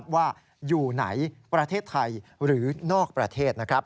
ว่าอยู่ไหนประเทศไทยหรือนอกประเทศ